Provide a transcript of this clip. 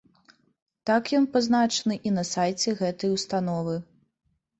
Так ён пазначаны і на сайце гэтай установы.